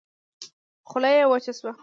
خوله يې وچه شوه.